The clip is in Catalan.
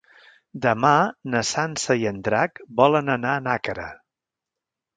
Demà na Sança i en Drac volen anar a Nàquera.